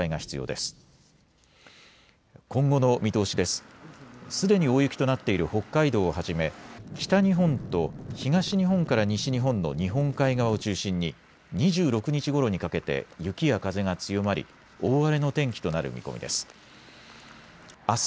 すでに大雪となっている北海道をはじめ北日本と東日本から西日本の日本海側を中心に２６日ごろにかけて雪や風が強まり、大荒れの天気となる見込みです。